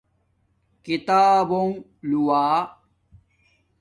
کتابونݣ لووہ